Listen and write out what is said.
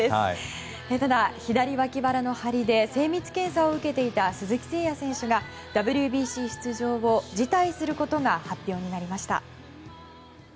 ただ、左脇腹の張りで精密検査を受けていた鈴木誠也選手がＷＢＣ出場を辞退することが発表になりました。